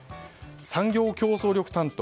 産業競争力担当